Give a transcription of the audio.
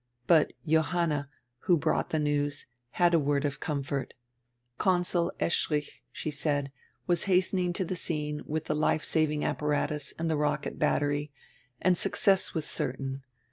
But Johanna, who brought die news, had a word of comfort. Consul Eschrich, she said, was hastening to die scene with die life saving apparatus and die rocket battery, and suc cess was certain.